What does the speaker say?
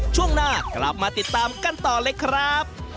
ช่วงหน้ากลับมาติดตามกันต่อเลยครับ